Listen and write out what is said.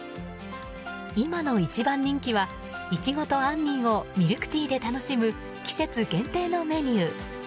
今の一番人気はイチゴと杏仁をミルクティーで楽しむ季節限定のメニュー。